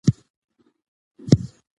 ایا تاسو په پښتو ژبه لوستل او لیکل کولای سئ؟